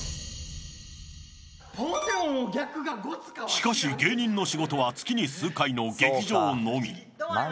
しかし、芸人の仕事は月に数回の劇場のみ。